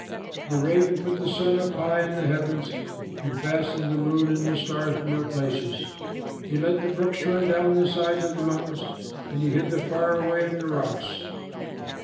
The raven put the sun high up in the heavens, and fastened the moon and stars in their places. He let the brooks run down the sides of the mountains, and he hid the fire away in the rocks.